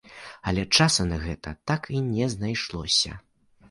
Але часу на гэта так і не знайшлося.